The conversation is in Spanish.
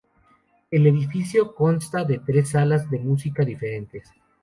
El edificio consta de tres salas de música diferentes.